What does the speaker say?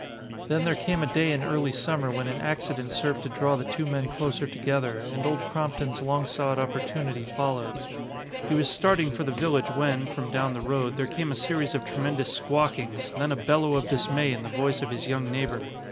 Then there came a day in early summer when an accident served to draw the two men closer together, and Old Crompton's long sought opportunity followed. He was starting for the village when, from down the road, there came a series of tremendous squawkings, then a bellow of dismay in the voice of his young neighbor.